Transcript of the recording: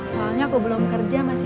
soalnya aku belum kerja masih